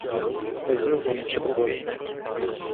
Ez nizanim çi dixwazim.